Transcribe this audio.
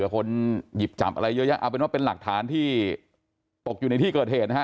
คนหยิบจับอะไรเยอะแยะเอาเป็นว่าเป็นหลักฐานที่ตกอยู่ในที่เกิดเหตุนะฮะ